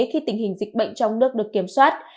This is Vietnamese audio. khi tình hình dịch bệnh trong nước được kiểm soát